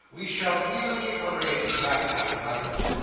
'We shall easily arrange that matter, I hope.